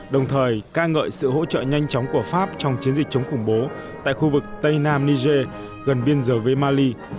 đồng thời ca ngợi sự hỗ trợ nhanh chóng của pháp trong chiến dịch chống khủng bố tại khu vực tây nam niger gần biên giới với mali